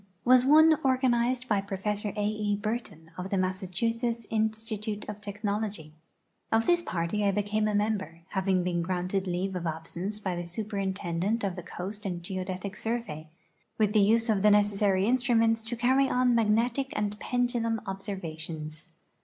was one organized by Professor A. E. Burton, of the Mas sachusetts Institute of Technology. Of this [»arty I became a member, having been granted leave of absence by the Superin tendent of the Coast and Geodetic Survey, with the use of the necessary instruments to carry on magnetic and pendulum ob servations.